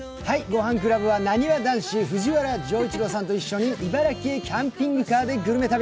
「ごはんクラブ」はなにわ男子の藤原丈一郎さんと茨城へ「キャンピングカーでグルメ旅」。